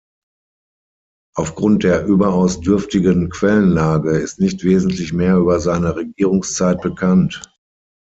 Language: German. Aufgrund der überaus dürftigen Quellenlage ist nicht wesentlich mehr über seine Regierungszeit bekannt.